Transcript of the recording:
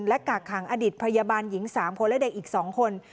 และกากขังอดิตพยาบาลหญิง๓คนและเด็กอีก๒คน